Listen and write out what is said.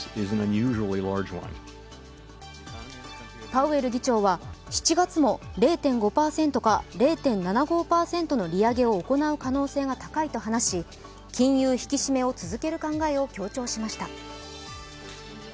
パウエル議長は、７月も０．５％か０．７５％の利上げを行う可能性が高いと話し、金融引き締めを続ける考えを強調しました。